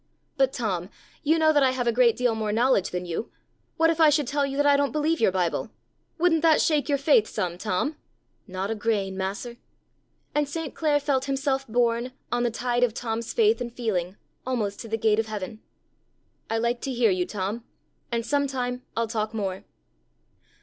'"But, Tom, you know that I have a great deal more knowledge than you; what if I should tell you that I don't believe your Bible? Wouldn't that shake your faith some, Tom?" '"Not a grain, mas'r!" And St. Clare felt himself borne, on the tide of Tom's faith and feeling, almost to the gate of heaven. '"I like to hear you, Tom; and some time I'll talk more."'